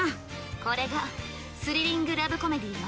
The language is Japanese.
これがスリリング・ラブコメディーよ。